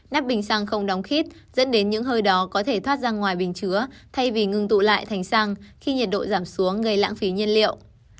nắp bình xăng không đóng khít dẫn đến những hơi đó có thể thoát ra ngoài bình chứa thay vì ngừng tụ lại thành xăng khi nhiệt độ giảm xuống gây lãng phí nhiên liệu